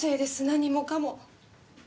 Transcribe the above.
何もかも。